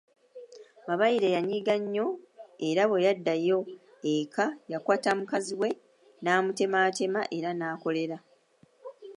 Mabaire yanyiiga nnyo era bweyaddayo eka yakwata mukaziwe namutematema era n’akolera